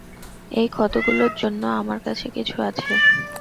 এই ক্ষতগুলোর জন্য আমার কাছে কিছু আছে।